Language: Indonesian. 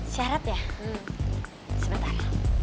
syarat ya sebentar